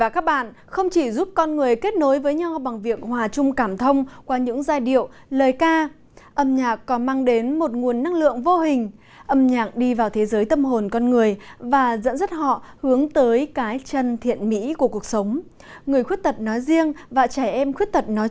các bạn hãy đăng kí cho kênh lalaschool để không bỏ lỡ những video hấp dẫn